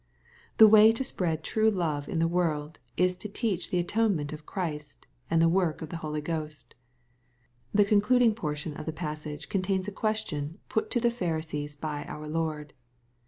The way to spread true love MATTHEW, CHAP. XXII. 295 in the world, is to teach the atonement of Christ, and the work of the Holy Ghost. The conchiding portion of the passage, contains a question put to the Pharisees by our Lord.